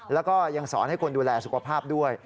แล้วก็ยังสอนให้คนดูแลสุขภาพด้วย